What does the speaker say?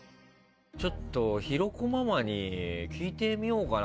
ちょっと広子ママに聞いてみようかな。